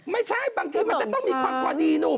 ไม่ใช่บางทีมันจะต้องมีความพอดีหนุ่ม